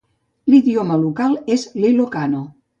L'idioma local és l'ilocano.